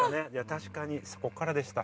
確かにそこからでした。